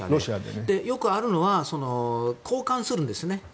よくあるのは交換するんですね